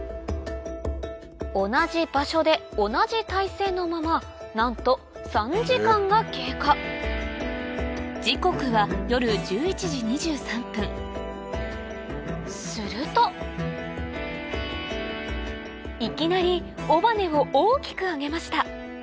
同じ場所で同じ体勢のままなんと３時間が経過時刻は夜１１時２３分するといきなり尾羽を大きく上げました